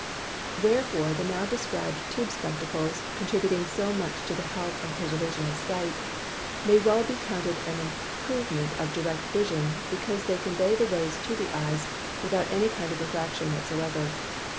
Wherefore the now describ'd new Tube spectacles, contributing so much to the help and preservation of Sight, may well be counted an improvement of Direct Vision, because they convey the Rays to the Eye without any kind of Refraction whatsoever.